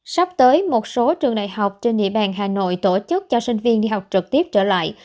sắp tới một số trường đại học trên địa bàn hà nội tổ chức cho sinh viên đi học trực tiếp trở lại